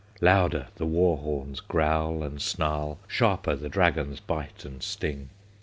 Louder the war horns growl and snarl, Sharper the dragons bite and sting!